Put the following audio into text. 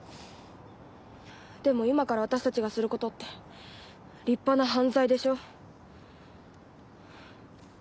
でも今から私たちがすることって立派な犯罪でしょ？